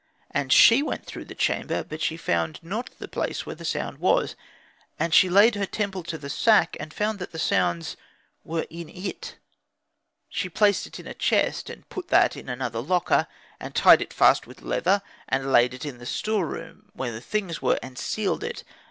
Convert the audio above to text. And she went through the chamber, but she found not the place where the sound was. And she layed her temple to the sack, and found that the sounds were in it. She placed it in a chest, and put that in another locker, and tied it fast with leather, and layed it in the store room, where the things were, and sealed it.